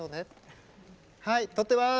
はい撮ってます！